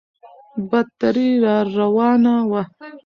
بدتري راروانه وه.